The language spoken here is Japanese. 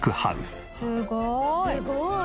「すごーい！」